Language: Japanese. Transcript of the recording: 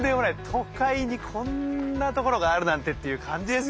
都会にこんなところがあるなんてっていう感じですよね。